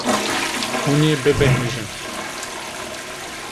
Hûn ê bibêhnijin.